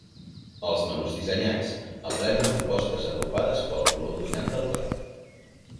Els menús dissenyats apleguen propostes agrupades pel color dominant del plat.